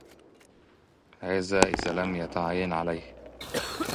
هَذَا إذَا لَمْ يَتَعَيَّنْ عَلَيْهِ